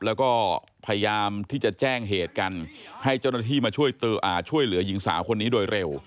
แล้วก็พยายามที่จะแจ้งเหตุกันให้จริงที่มาช่วยเตอ่าช่วยเหลือหญิงสาวคนนี้โดยเร็ว